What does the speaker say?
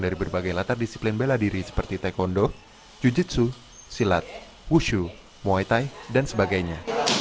dari berbagai latar disiplin beladiri seperti taekwondo jujutsu silat wushu muay thai dan sebagainya